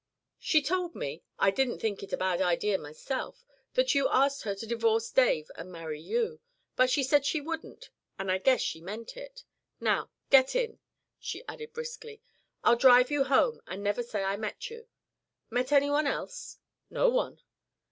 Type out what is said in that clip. "She told me I didn't think it a bad idea myself that you asked her to divorce Dave and marry you. But she said she wouldn't and I guess she meant it. Now, get in," she added briskly. "I'll drive you home and never say I met you. Met anybody else?" "No one."